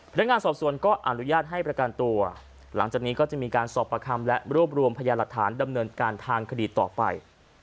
พนักงานสอบสวนก็อนุญาตให้ประกันตัวหลังจากนี้ก็จะมีการสอบประคำและรวบรวมพยานหลักฐานดำเนินการทางคดีต่อไป